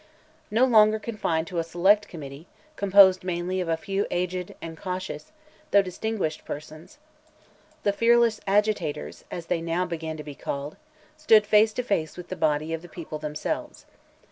No longer confined to a select Committee, composed mainly of a few aged and cautious, though distinguished persons, the fearless "agitators," as they now began to be called, stood face to face with the body of the people themselves.